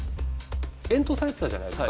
遠投されてたじゃないですか？